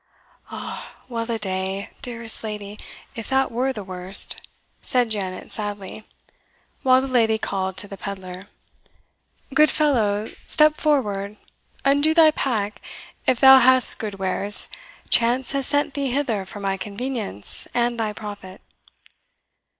"Ah! well a day, dearest lady, if that were the worst," said Janet sadly; while the lady called to the pedlar, "Good fellow, step forward undo thy pack; if thou hast good wares, chance has sent thee hither for my convenience and thy profit."